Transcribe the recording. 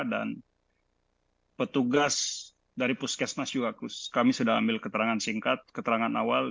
dan petugas dari puskesmas juga kami sudah ambil keterangan singkat keterangan awal